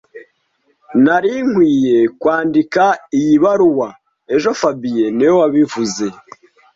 Nari nkwiye kwandika iyi baruwa ejo fabien niwe wabivuze